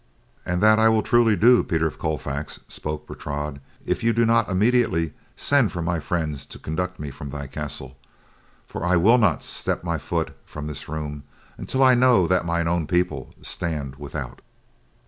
"An' that I will truly do, Peter of Colfax," spoke Bertrade, "if you do not immediately send for my friends to conduct me from thy castle, for I will not step my foot from this room until I know that mine own people stand without."